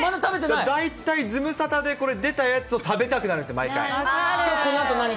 大体、ズムサタで、これで食べたやつを食べたくなるんですよ、毎回。